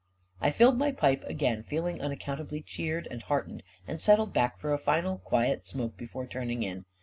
I filled my pipe again, feeling unaccountably cheered and heartened, and settled back for a final quiet smoke before turning in.